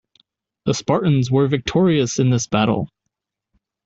The Spartans were victorious in this battle.